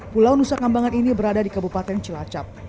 pulau nusa kambangan ini berada di kabupaten cilacap